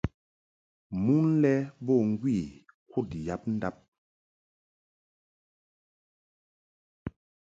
Mon lɛ bo ŋgwi kud yab ndab.